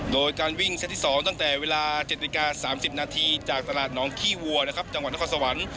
โดยการวิ่งเซตที่๒ตั้งแต่เวลา๗นาฬิกา๓๐นาทีจากตลาดน้องขี้วัวนะครับจังหวัดนครสวรรค์